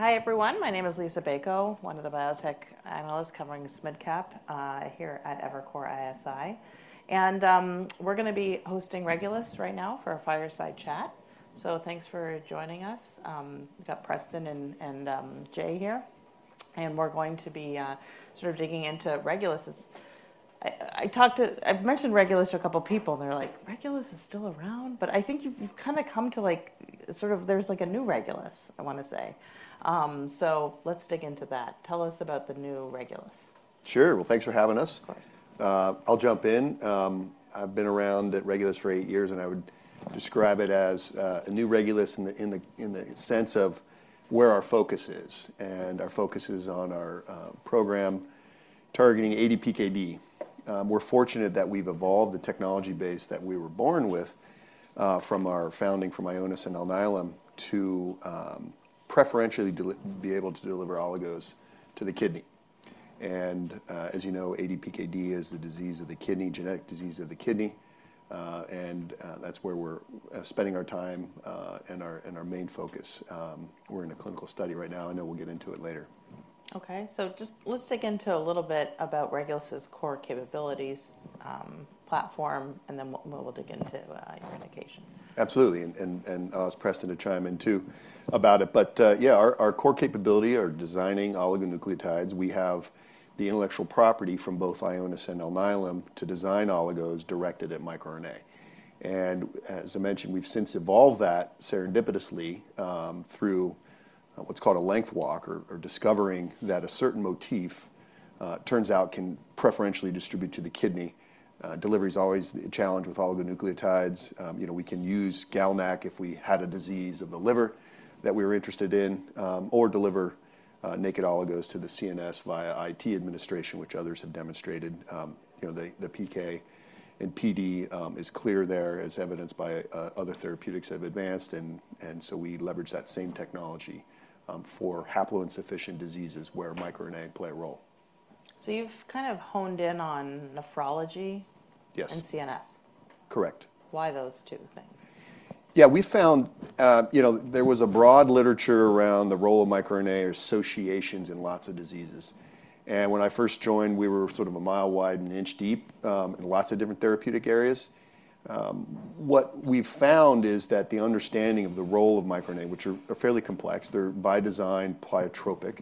Hi, everyone. My name is Liisa Bayko, one of the biotech analysts covering small- and mid-cap, here at Evercore ISI. We're gonna be hosting Regulus right now for a fireside chat, so thanks for joining us. We've got Preston and Jay here, and we're going to be sort of digging into Regulus'. I've mentioned Regulus to a couple of people, and they're like: Regulus is still around? But I think you've kind of come to, like, sort of there's, like, a new Regulus, I want to say. So let's dig into that. Tell us about the new Regulus. Sure. Well, thanks for having us. Of course. I'll jump in. I've been around at Regulus for eight years, and I would describe it as a new Regulus in the sense of where our focus is. And our focus is on our program targeting ADPKD. We're fortunate that we've evolved the technology base that we were born with from our founding from Ionis and Alnylam, to preferentially be able to deliver oligos to the kidney. And as you know, ADPKD is the disease of the kidney, genetic disease of the kidney, and that's where we're spending our time and our main focus. We're in a clinical study right now. I know we'll get into it later. Okay, so just let's dig into a little bit about Regulus' core capabilities, platform, and then we'll dig into your indication. Absolutely. I'll ask Preston to chime in, too, about it. But, yeah, our core capability are designing oligonucleotides. We have the intellectual property from both Ionis and Alnylam to design oligos directed at microRNA. And as I mentioned, we've since evolved that serendipitously through what's called a length walk or discovering that a certain motif turns out can preferentially distribute to the kidney. Delivery is always a challenge with all the nucleotides. You know, we can use GalNAc if we had a disease of the liver that we were interested in or deliver naked oligos to the CNS via IT administration, which others have demonstrated. You know, the PK and PD is clear there, as evidenced by other therapeutics that have advanced, and so we leverage that same technology for haploinsufficient diseases where microRNA play a role. So you've kind of honed in on nephrology Yes. and CNS. Correct. Why those two things? Yeah, we found, You know, there was a broad literature around the role of microRNA associations in lots of diseases, and when I first joined, we were sort of a mile wide and an inch deep in lots of different therapeutic areas. What we've found is that the understanding of the role of microRNA, which are fairly complex, they're by design pleiotropic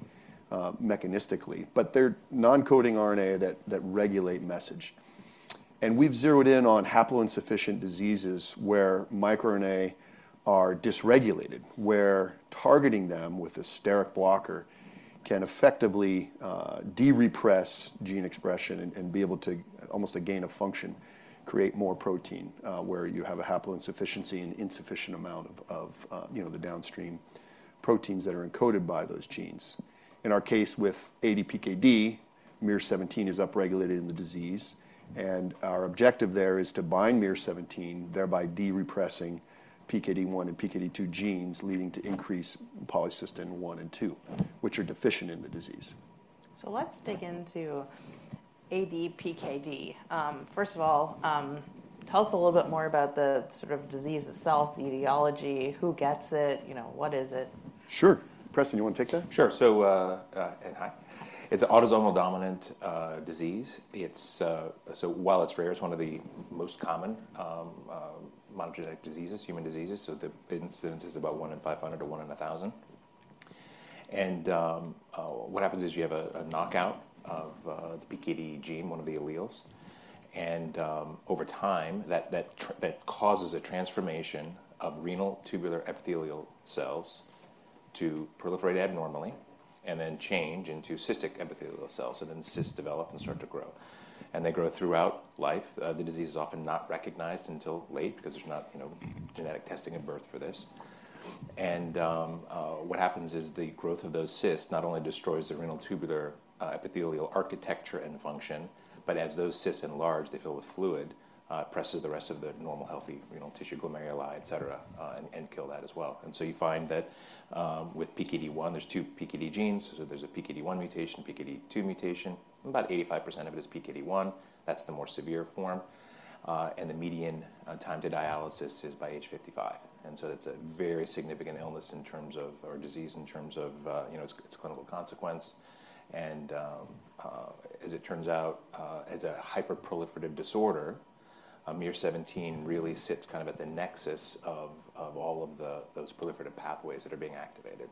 mechanistically, but they're non-coding RNA that regulate message. And we've zeroed in on haploinsufficient diseases where microRNA are dysregulated, where targeting them with a steric blocker can effectively de-repress gene expression and be able to almost a gain of function, create more protein, where you have a haploinsufficiency and insufficient amount of you know, the downstream proteins that are encoded by those genes. In our case, with ADPKD, miR-17 is upregulated in the disease, and our objective there is to bind miR-17, thereby de-repressing PKD1 and PKD2 genes, leading to increased polycystin one and two, which are deficient in the disease. So let's dig into ADPKD. First of all, tell us a little bit more about the sort of disease itself, the etiology, who gets it, you know, what is it? Sure. Preston, you want to take that? Sure. So, hi. It's an autosomal dominant disease. It's. So while it's rare, it's one of the most common monogenic diseases, human diseases, so the incidence is about one in 500-1,000. And what happens is you have a knockout of the PKD gene, one of the alleles, and over time, that causes a transformation of renal tubular epithelial cells to proliferate abnormally and then change into cystic epithelial cells, and then cysts develop and start to grow. And they grow throughout life. The disease is often not recognized until late because there's not, you know, genetic testing at birth for this. What happens is the growth of those cysts not only destroys the renal tubular epithelial architecture and function, but as those cysts enlarge, they fill with fluid, presses the rest of the normal, healthy renal tissue, glomeruli, et cetera, and kill that as well. And so you find that, with PKD1, there's two PKD genes, so there's a PKD1 mutation, PKD2 mutation. About 85% of it is PKD1. That's the more severe form, and the median time to dialysis is by age 55. And so it's a very significant illness in terms of- or disease, in terms of, you know, its clinical consequence. As it turns out, as a hyperproliferative disorder, miR-17 really sits kind of at the nexus of all of those proliferative pathways that are being activated.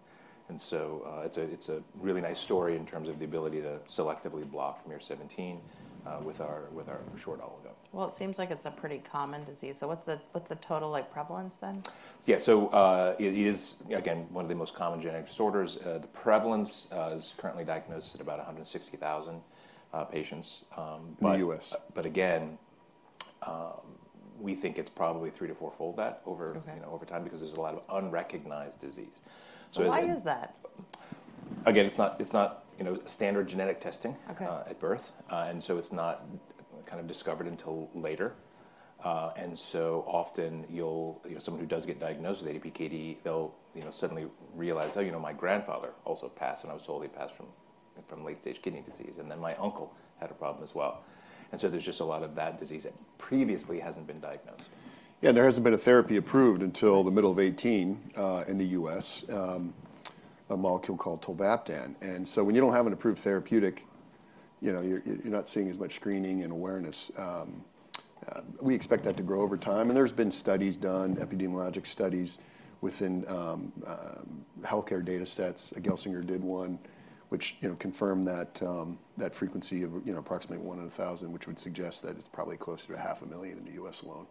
It's a really nice story in terms of the ability to selectively block miR-17 with our short oligo. Well, it seems like it's a pretty common disease, so what's the total like, prevalence then? Yeah. So, it is, again, one of the most common genetic disorders. The prevalence is currently diagnosed at about 160,000 patients, but- In the U.S. but again, we think it's probably three to four-fold that over- Okay you know, over time because there's a lot of unrecognized disease. So it's- Why is that? Again, it's not, it's not, you know, standard genetic testing- Okay at birth, and so it's not kind of discovered until later. And so often you'll, you know, someone who does get diagnosed with ADPKD, they'll, you know, suddenly realize: Oh, you know, my grandfather also passed, and I was told he passed from from late-stage kidney disease, and then my uncle had a problem as well. And so there's just a lot of that disease that previously hasn't been diagnosed. Yeah, there hasn't been a therapy approved until the middle of 2018, in the U.S., a molecule called tolvaptan. And so when you don't have an approved therapeutic, you know, you're not seeing as much screening and awareness. We expect that to grow over time, and there's been studies done, epidemiologic studies, within healthcare datasets. Geisinger did one, which, you know, confirmed that frequency of approximately one in a thousand, which would suggest that it's probably closer to half a million in the U.S. alone.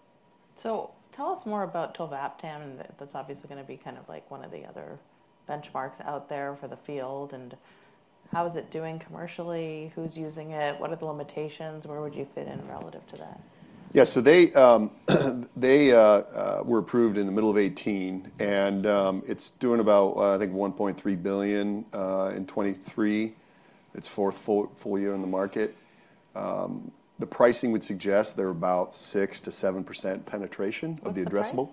So tell us more about tolvaptan, and that's obviously gonna be kind of like one of the other benchmarks out there for the field, and how is it doing commercially? Who's using it? What are the limitations? Where would you fit in relative to that? Yeah, so they were approved in the middle of 2018, and it's doing about, I think $1.3 billion in 2023. It's fourth full year on the market. The pricing would suggest they're about 6%-7% penetration- Of the price? - of the addressable.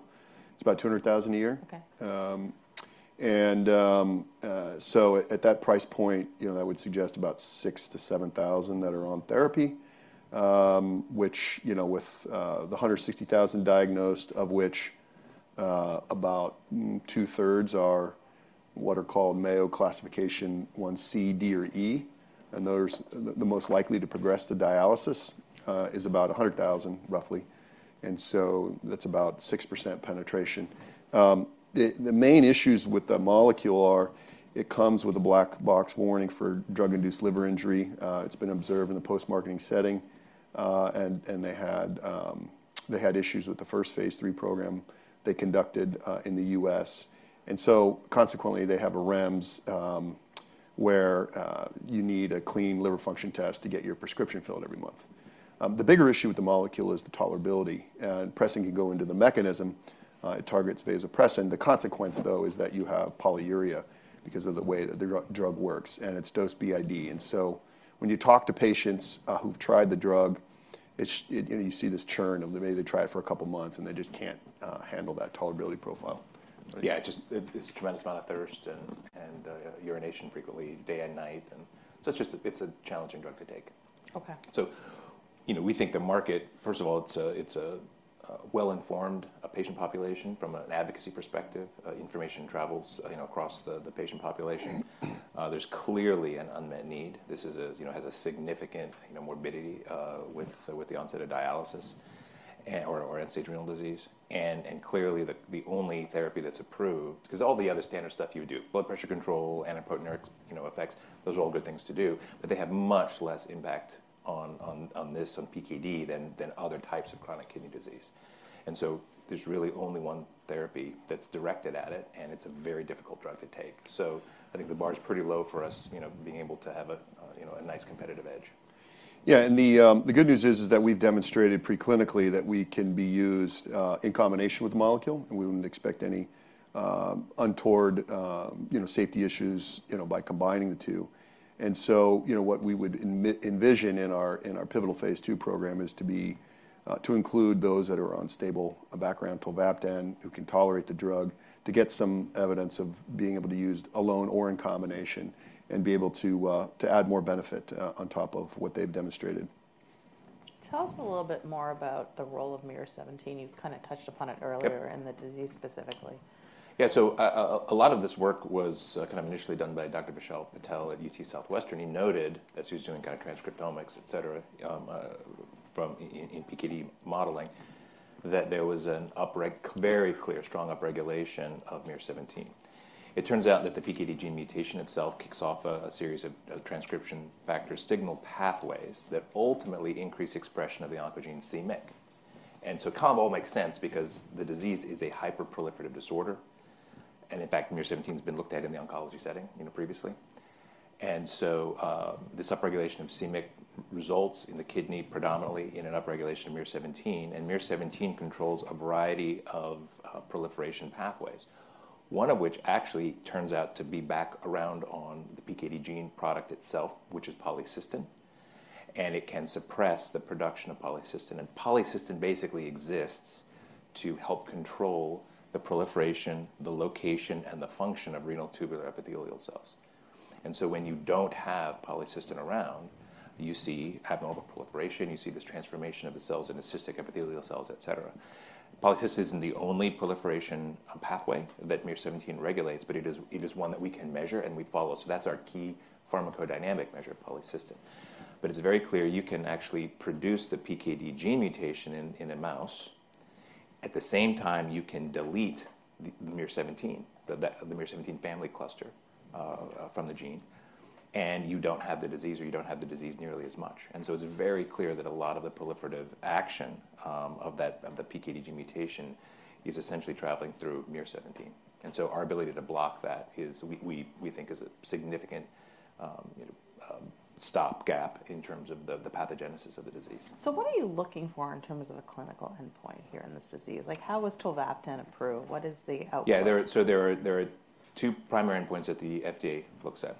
It's about 200,000 a year. Okay. So at that price point, you know, that would suggest about 6,000-7,000 that are on therapy. Which, you know, with the 160,000 diagnosed, of which about two-thirds are what are called Mayo Classification 1c, d, or e, and those are the most likely to progress to dialysis is about 100,000, roughly. And so that's about 6% penetration. The main issues with the molecule are: it comes with a black box warning for drug-induced liver injury. It's been observed in the post-marketing setting, and they had issues with the first phase III program they conducted in the U.S. And so consequently, they have a REMS where you need a clean liver function test to get your prescription filled every month. The bigger issue with the molecule is the tolerability, and Preston can go into the mechanism. It targets vasopressin. The consequence, though, is that you have polyuria because of the way that the drug works, and it's dose BID. And so when you talk to patients who've tried the drug, you know, you see this churn of maybe they try it for a couple of months, and they just can't handle that tolerability profile. Yeah, It's a tremendous amount of thirst and urination frequently, day and night, and so it's just a challenging drug to take. Okay. So, you know, we think the market, first of all, it's a, it's a well-informed patient population from an advocacy perspective. Information travels, you know, across the patient population. There's clearly an unmet need. This is a, you know, has a significant, you know, morbidity with the onset of dialysis and/or end-stage renal disease. And clearly, the only therapy that's approved... Because all the other standard stuff you would do: blood pressure control, antiproteinuric, you know, effects, those are all good things to do, but they have much less impact on this, on PKD, than other types of chronic kidney disease. And so there's really only one therapy that's directed at it, and it's a very difficult drug to take. So I think the bar is pretty low for us, you know, being able to have a, you know, a nice competitive edge. Yeah, and the good news is that we've demonstrated preclinically that we can be used in combination with the molecule, and we wouldn't expect any untoward, you know, safety issues, you know, by combining the two. And so, you know, what we would envision in our pivotal phase II program is to be to include those that are on stable background tolvaptan, who can tolerate the drug, to get some evidence of being able to use alone or in combination, and be able to to add more benefit on top of what they've demonstrated. Tell us a little bit more about the role of miR-17. You've kind of touched upon it earlier in the disease specifically. Yeah, so, a lot of this work was kind of initially done by Dr. Vishal Patel at UT Southwestern. He noted, as he was doing kind of transcriptomics, et cetera, in PKD modeling, that there was a very clear, strong upregulation of miR-17. It turns out that the PKD gene mutation itself kicks off a series of transcription factor signal pathways that ultimately increase expression of the oncogene c-MYC. And so combo makes sense because the disease is a hyperproliferative disorder, and in fact, miR-17 has been looked at in the oncology setting, you know, previously. And so, this upregulation of c-MYC results in the kidney, predominantly in an upregulation of miR-17, and miR-17 controls a variety of proliferation pathways. One of which actually turns out to be back around on the PKD gene product itself, which is polycystin, and it can suppress the production of polycystin. Polycystin basically exists to help control the proliferation, the location, and the function of renal tubular epithelial cells. And so when you don't have polycystin around, you see abnormal proliferation, you see this transformation of the cells into cystic epithelial cells, et cetera. Polycystin isn't the only proliferation pathway that miR-17 regulates, but it is one that we can measure and we follow. So that's our key pharmacodynamic measure of polycystin. But it's very clear you can actually produce the PKD gene mutation in a mouse. At the same time, you can delete the miR-17 family cluster from the gene, and you don't have the disease, or you don't have the disease nearly as much. And so it's very clear that a lot of the proliferative action of the PKD gene mutation is essentially traveling through miR-17. And so our ability to block that is, we think is a significant stopgap in terms of the pathogenesis of the disease. What are you looking for in terms of a clinical endpoint here in this disease? Like, how was tolvaptan approved? What is the output? Yeah, so there are two primary endpoints that the FDA looks at.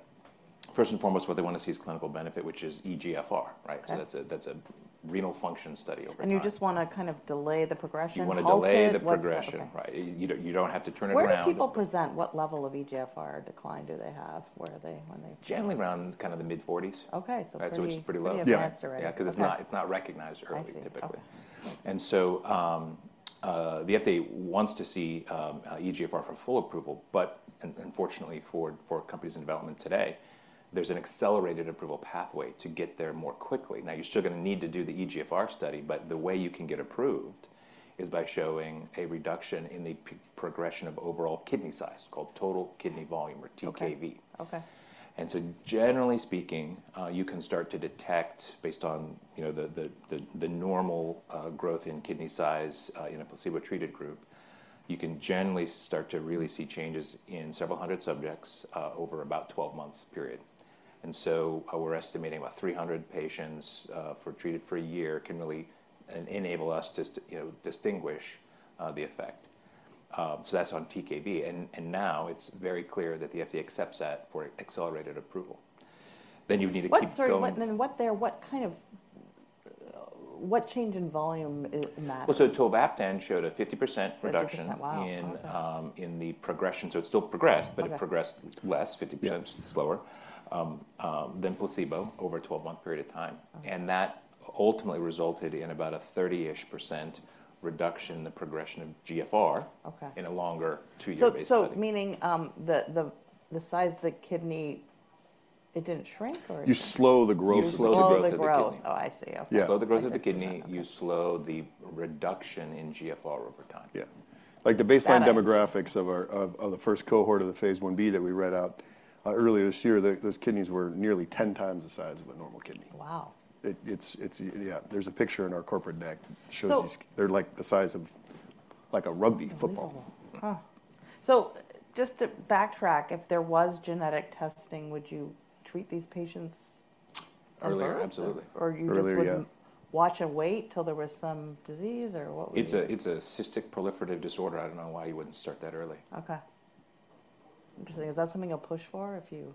First and foremost, what they want to see is clinical benefit, which is eGFR, right? Okay. So that's a renal function study over time. You just wanna kind of delay the progression, halt it- You want to delay the progression. Okay. Right. You don't have to turn it around- Where do people present? What level of eGFR decline do they have? Where are they when they- Generally around kind of the mid-40s. Okay, so pretty- It's pretty low. Yeah. Advanced already. Yeah, because it's not- Okay... it's not recognized early, typically. I see. Okay. The FDA wants to see eGFR for full approval, but unfortunately, for companies in development today, there's an accelerated approval pathway to get there more quickly. Now, you're still gonna need to do the eGFR study, but the way you can get approved is by showing a reduction in the progression of overall kidney size, called total kidney volume, or TKV. Okay. Okay. And so generally speaking, you can start to detect, based on, you know, the normal growth in kidney size in a placebo-treated group, you can generally start to really see changes in several hundred subjects over about 12 months period. And so we're estimating about 300 patients for treated for a year can really enable us to, you know, distinguish the effect. So that's on TKV, and now it's very clear that the FDA accepts that for accelerated approval. Then you need to keep going- What kind of change in volume matters? Well, so tolvaptan showed a 50% reduction- 50%? Wow! Okay. in the progression. So it still progressed- Okay but it progressed less, 50% slower than placebo over a 12-month period of time. Okay. that ultimately resulted in about a 30-ish% reduction in the progression of GFR- Okay in a longer two-year base study. So, meaning, the size of the kidney, it didn't shrink, or? You slow the growth of the kidney. You slow the growth- You slow the growth. Oh, I see. Okay. Yeah. You slow the growth of the kidney- Okay. You slow the reduction in GFR over time. Yeah. That- Like, the baseline demographics of our first cohort of the phase 1b that we read out earlier this year, those kidneys were nearly 10 times the size of a normal kidney. Wow! Yeah, there's a picture in our corporate deck. So- Shows these. They're, like, the size of, like, a rugby football. Unbelievable. Huh. So just to backtrack, if there was genetic testing, would you treat these patients earlier? Earlier, absolutely. Or you just wouldn't- Earlier, yeah watch and wait till there was some disease, or what would you? It's a cystic proliferative disorder. I don't know why you wouldn't start that early. Okay. Interesting. Is that something you'll push for if you-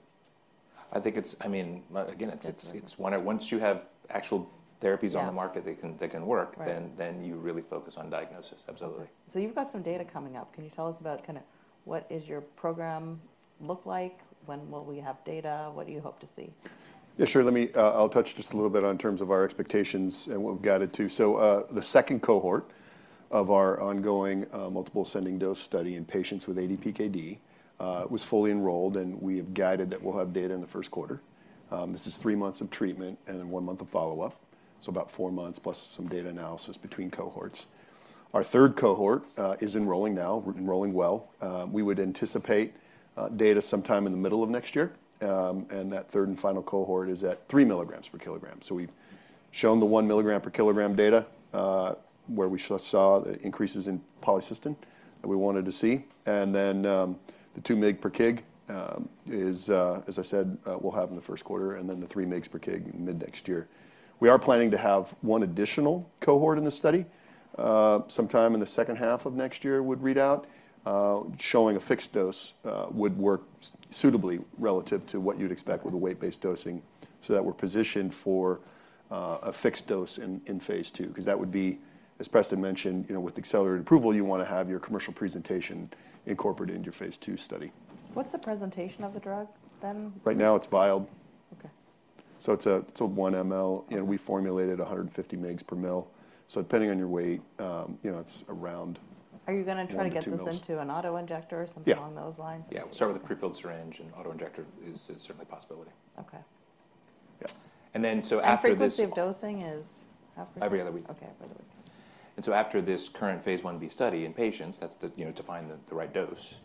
I think it's—I mean, again, it's when—once you have actual therapies on- Yeah the market, they can, they can work- Right then you really focus on diagnosis. Absolutely. Okay. So you've got some data coming up. Can you tell us about kind of, what is your program look like? When will we have data? What do you hope to see? Yeah, sure. Let me, I'll touch just a little bit in terms of our expectations, and we've got it, too. So, the second cohort of our ongoing multiple-ascending dose study in patients with ADPKD was fully enrolled, and we have guided that we'll have data in the Q1. This is three months of treatment and then one month of follow-up, so about four months plus some data analysis between cohorts. Our third cohort is enrolling now. We're enrolling well. We would anticipate data sometime in the middle of next year. And that third and final cohort is at 3 mg per kg. So we've shown the 1 milligram per kilogram data, where we saw, saw the increases in polycystin that we wanted to see. And then, the 2 mg per kg, is, as I said, we'll have in the Q1, and then the 3 mg per kg mid-next year. We are planning to have one additional cohort in this study, sometime in the H2 of next year, would read out, showing a fixed dose, would work suitably relative to what you'd expect with a weight-based dosing, so that we're positioned for, a fixed dose in, in phase II. Because that would be, as Preston mentioned, you know, with accelerated approval, you wanna have your commercial presentation incorporated into your phase II study. What's the presentation of the drug, then? Right now, it's vialed. Okay. So it's a 1 ml, and we formulated 150 mg per ml. So depending on your weight, you know, it's around- Are you gonna try to get- 1-2 mls this into an auto-injector or something along those lines? Yeah. Yeah, we'll start with a prefilled syringe, and auto-injector is certainly a possibility. Okay. Yeah. And then, so after this. Frequency of dosing is? Every other week. Okay, every other week. And so after this current phase Ib study in patients, that's to, you know, to find the right dose,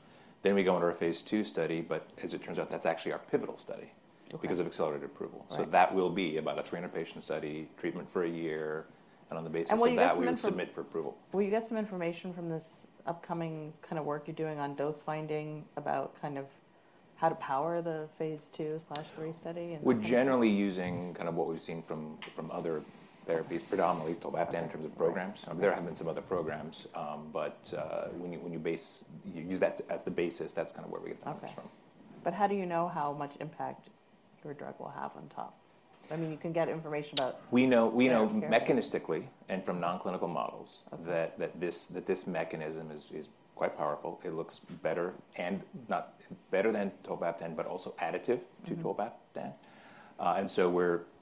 then we go into our phase II study, but as it turns out, that's actually our pivotal study- Okay because of accelerated approval. Right. So that will be about a 300-patient study, treatment for a year, and on the basis of that- Will you get some infor- we would submit for approval. Will you get some information from this upcoming kind of work you're doing on dose finding, about kind of how to power the phase II/III study, and? We're generally using kind of what we've seen from other therapies, predominantly tolvaptan, in terms of programs. Okay. There have been some other programs, but when you use that as the basis, that's kind of where we get the patients from. Okay. But how do you know how much impact your drug will have on top? I mean, you can get information about- We know, we know mechanistically and from non-clinical models- Okay that this mechanism is quite powerful. It looks better and not better than tolvaptan, but also additive to tolvaptan. And so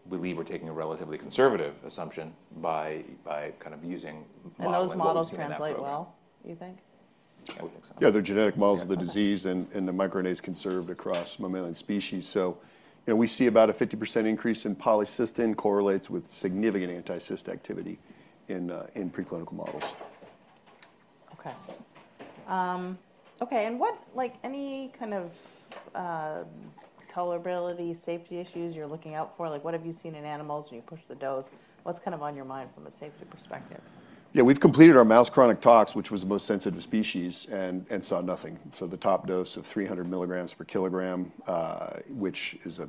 we believe we're taking a relatively conservative assumption by kind of using model- Those models translate well, you think? Yeah, we think so. Yeah, they're genetic models of the disease the microRNA is conserved across mammalian species. So, you know, we see about a 50% increase in polycystin correlates with significant anti-cyst activity in preclinical models. Okay. Okay, and what, like, any kind of, tolerability, safety issues you're looking out for? Like, what have you seen in animals when you push the dose? What's kind of on your mind from a safety perspective? Yeah, we've completed our mouse chronic tox, which was the most sensitive species, and saw nothing. So the top dose of 300 mg per kg, which is a,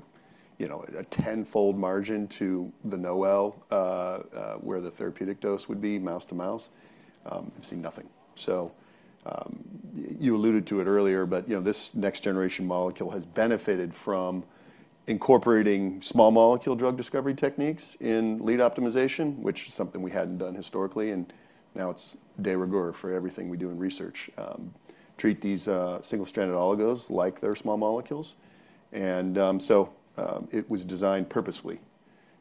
you know, a tenfold margin to the NOAEL, where the therapeutic dose would be, mouse to mouse, we've seen nothing. So, you alluded to it earlier, but, you know, this next-generation molecule has benefited from incorporating small molecule drug discovery techniques in lead optimization, which is something we hadn't done historically, and now it's de rigueur for everything we do in research. Treat these single-stranded oligos like they're small molecules. And, so, it was designed purposefully,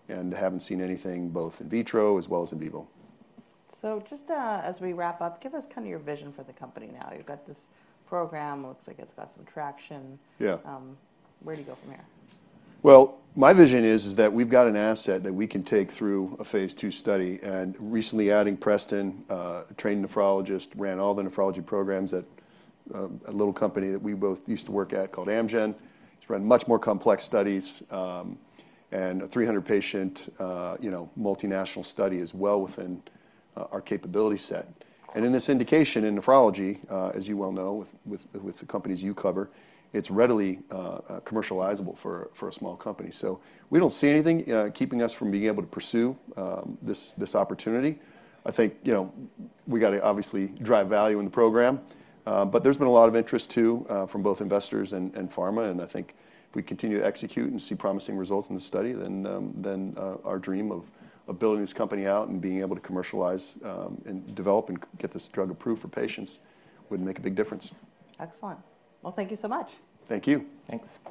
and haven't seen anything, both in vitro as well as in vivo. So just, as we wrap up, give us kind of your vision for the company now. You've got this program. Looks like it's got some traction. Yeah. Where do you go from here? Well, my vision is that we've got an asset that we can take through a phase II study, and recently adding Preston, a trained nephrologist, ran all the nephrology programs at a little company that we both used to work at called Amgen. He's run much more complex studies, and a 300-patient, you know, multinational study is well within our capability set. And in this indication, in nephrology, as you well know, with the companies you cover, it's readily commercializable for a small company. So we don't see anything keeping us from being able to pursue this opportunity. I think, you know, we got to obviously drive value in the program. But there's been a lot of interest, too, from both investors and pharma, and I think if we continue to execute and see promising results in the study, then our dream of building this company out and being able to commercialize and develop and get this drug approved for patients would make a big difference. Excellent. Well, thank you so much. Thank you. Thanks.